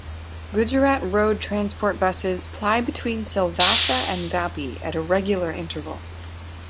Gujarat Road Transport Buses ply between Silvassa and Vapi at a regular interval.